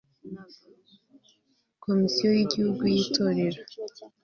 komisiyo y'igihugu y'itorero